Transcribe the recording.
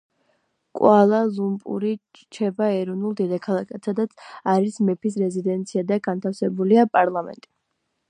კუალა-ლუმპური რჩება ეროვნულ დედაქალაქად, სადაც არის მეფის რეზიდენცია და განთავსებულია პარლამენტი.